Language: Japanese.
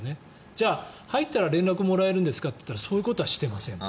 じゃあ、入ったら連絡もらえるんですかと言ったらそういうことはしていませんと。